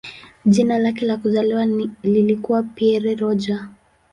Jina lake la kuzaliwa lilikuwa "Pierre Roger".